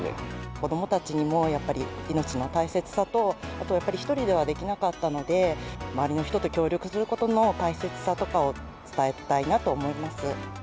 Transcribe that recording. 子どもたちにもやっぱり、命の大切さとあとやっぱり１人ではできなかったので、周りの人と協力することの大切さとかを伝えたいなと思います。